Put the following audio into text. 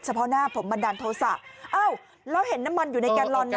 เฉพาะหน้าผมมันดันโทษะเอ้าเราเห็นน้ำมันอยู่ในแกนลอนน่ะ